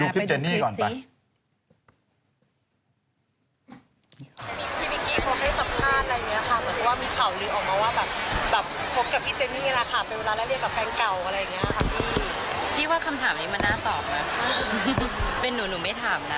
ดูความใจเขาถามเป็นหนูไม่ถามนะ